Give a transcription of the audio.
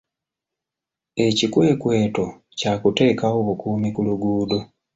Ekikwekweto kya kuteekawo bukuumi ku luguudo.